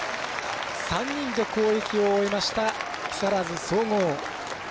３人で攻撃を終えました木更津総合。